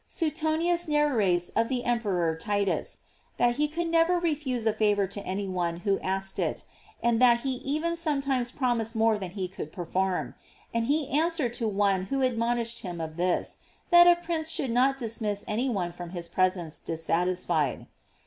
Suetonius narrates of the Emperor Titus, that he never could refuse a favor to any one who asked it, and that he even sometimes promised more than he could perform; and he answered to one who admonished him of this, that a prince should not dismiss any one from his presence dis satisfied.